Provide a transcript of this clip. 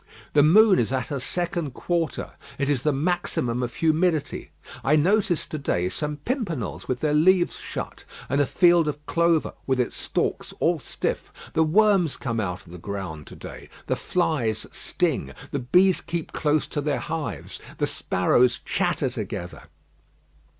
The moon is at her second quarter; it is the maximum of humidity. I noticed to day some pimpernels with their leaves shut, and a field of clover with its stalks all stiff. The worms come out of the ground to day; the flies sting; the bees keep close to their hives; the sparrows chatter together.